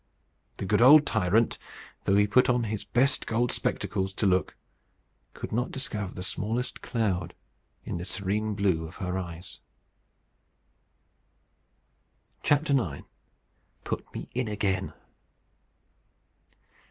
The good old tyrant, though he put on his best gold spectacles to look, could not discover the smallest cloud in the serene blue of her eyes. IX. PUT ME IN AGAIN.